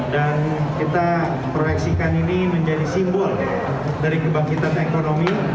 dan kita proyeksikan ini menjadi simbol dari kebangkitan ekonomi